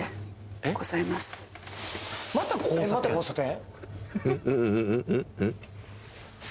また交差点？